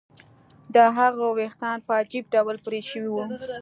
د هغه ویښتان په عجیب ډول پرې شوي وو